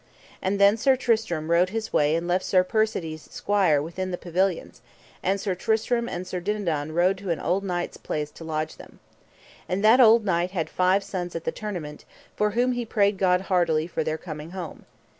And then Sir Tristram rode his way and left Sir Persides' squire within the pavilions, and Sir Tristram and Sir Dinadan rode to an old knight's place to lodge them. And that old knight had five sons at the tournament, for whom he prayed God heartily for their coming home.